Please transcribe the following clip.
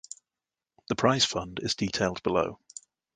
The prize fund is detailed below.